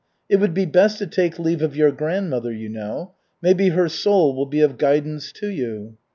It would be best to take leave of your grandmother, you know. Maybe her soul will be of guidance to you."